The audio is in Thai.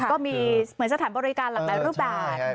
ก็มีเหมือนสถานบริการหลากหลายรูปแบบ